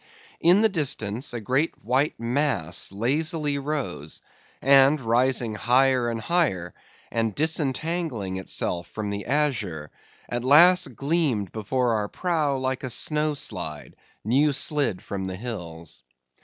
In the distance, a great white mass lazily rose, and rising higher and higher, and disentangling itself from the azure, at last gleamed before our prow like a snow slide, new slid from the hills.